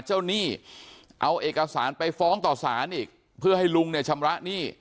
หนี้เอาเอกสารไปฟ้องต่อสารอีกเพื่อให้ลุงเนี่ยชำระหนี้